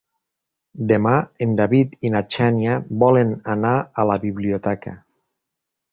Demà en David i na Xènia volen anar a la biblioteca.